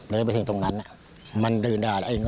เดินไปถึงตรงนั้นมันเดิน